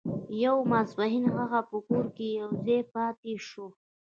یو ماسپښین هغه په کور کې یوازې پاتې شوی و